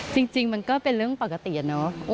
จริงมันก็เป็นเรื่องปกติอะเนาะ